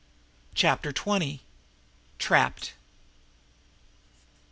Chapter Twenty _Trapped!